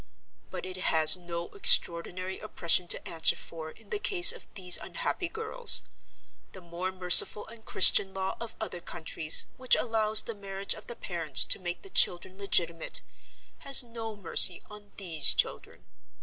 But it has no extraordinary oppression to answer for in the case of these unhappy girls. The more merciful and Christian law of other countries, which allows the marriage of the parents to make the children legitimate, has no mercy on these children.